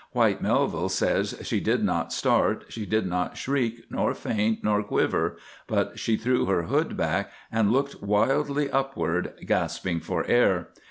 Whyte Melville says she did not start, she did not shriek, nor faint, nor quiver, but she threw her hood back and looked wildly upward, gasping for air.